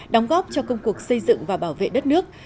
đóng góp cho công cuộc xây dựng và bảo vệ đất nước